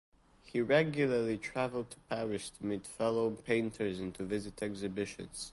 He regularly traveled to Paris to meet fellow painters and to visit exhibitions.